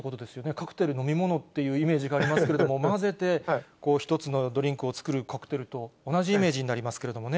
カクテル、飲み物っていうイメージがありましたけれども、混ぜて、１つのドリンクを作るカクテルと同じイメージになりますけれどもね。